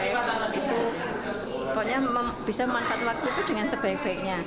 itu pokoknya bisa memanfaatkan waktu itu dengan sebaik baiknya